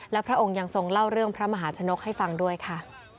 และพระองค์ยังทรงเล่าเรื่องพระมหาชนกให้ฟังด้วยค่ะ